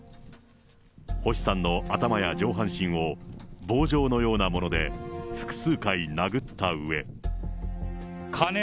星さんの頭や上半身を棒状のようなもので複数回殴ったうえ。